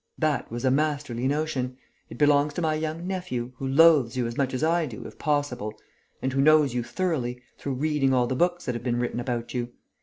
That was a masterly notion. It belongs to my young nephew, who loathes you as much as I do, if possible, and who knows you thoroughly, through reading all the books that have been written about you.